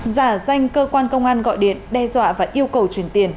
giả danh cơ quan công an gọi điện đe dọa và yêu cầu truyền tiền